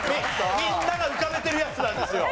みんなが浮かべてるやつなんですよ。